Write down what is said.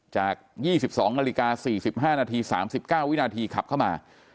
จาก๒๒นาฬิกา๔๕นาที๓๙วินาทีขับเข้ามา